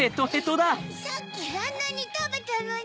さっきあんなにたべたのに！